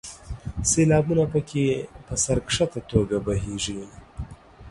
سیلابونه په کې په سر ښکته توګه بهیږي.